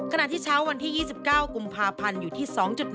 ขณะที่เช้าวันที่๒๙กุมภาพันธ์อยู่ที่๒๗